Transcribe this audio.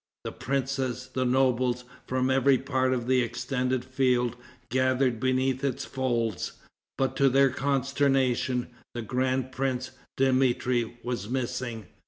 The princes, the nobles, from every part of the extended field, gathered beneath its folds. But to their consternation, the grand prince, Dmitri, was missing.